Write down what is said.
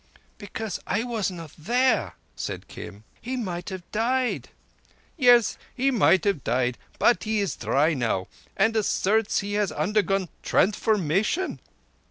"Because I was not there!" said Kim. "He might have died." "Yes, he might have died, but he is dry now, and asserts he has undergone transfiguration."